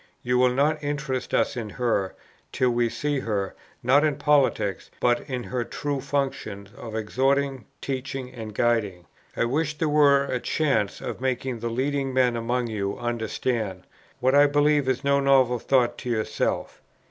You will not interest us in her, till we see her, not in politics, but in her true functions of exhorting, teaching, and guiding. I wish there were a chance of making the leading men among you understand, what I believe is no novel thought to yourself.